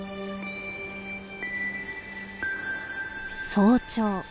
早朝。